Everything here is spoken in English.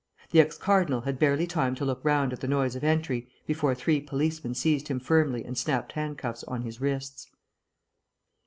The ex cardinal had barely time to look round at the noise of entry before three policemen seized him firmly and snapped handcuffs on his wrists.